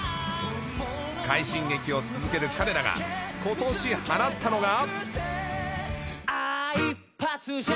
快進撃を続ける彼らが今年放ったのが。